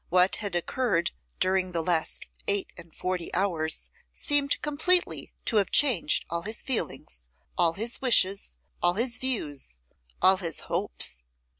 What had occurred during the last eight and forty hours seemed completely to have changed all his feelings, all his wishes, all his views, all his hopes!